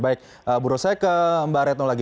baik buru saya ke mbak retno lagi